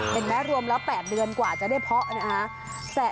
แม้รวมแล้ว๘เดือนกว่าจะได้เพาะนะคะ